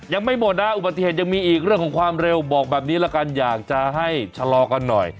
ยังไม่หมดนะอุบัติเหตุยังมีอีกเรื่องของความเร็วบอกแบบนี้ละกันอยากจะให้ชะลอกันหน่อย